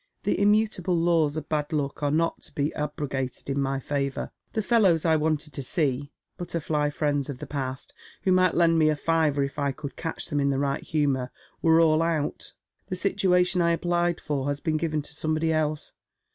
The immutable laws of bad luck are not to be abrogated in my favour. Th'3 fellows I wanted to see — butterfly friends of the past, who might lend me a fiver if I could catch theru in the right humour — were all out. The situation I applied for has been given to somebody else.